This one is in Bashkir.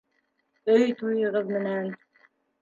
Өй туйығыҙ менән!